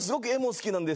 好きなんです。